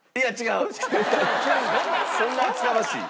そんな厚かましい。